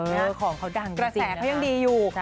เออของเขาดังจริงนะกระแสเขายังดีอยู่